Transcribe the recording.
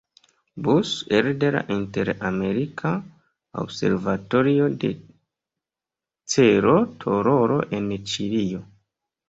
Bus elde la Inter-Amerika observatorio de Cerro Tololo en Ĉilio.